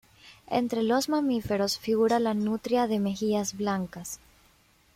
Entre los mamíferos figura la nutria de mejillas blancas.